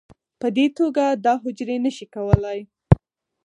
په دې توګه دا حجرې نه شي کولی